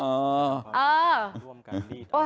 เออ